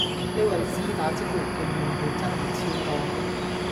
呢位絲打積落嘅怨氣真係超多